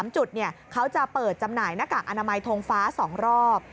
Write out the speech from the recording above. ๓จุดเขาจะเปิดจำหน่ายหน้ากากอนามัยทงฟ้า๒รอบ